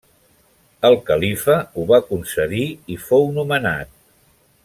El califa ho va concedir i fou nomenat.